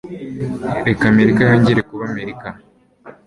reka Amerika yongere kuba Amerika -